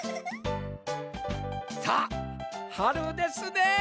さあはるですねえ。